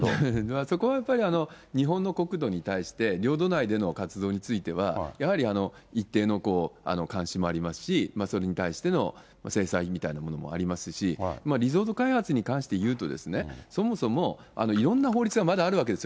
そこはやっぱり日本の国土に対して、領土内での活動については、やはり一定の監視もありますし、それに対しての制裁みたいなものもありますし、リゾート開発に関して言うと、そもそもいろんな法律がまだあるわけですよ。